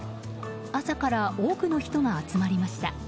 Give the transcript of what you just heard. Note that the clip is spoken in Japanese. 朝から多くの人が集まりました。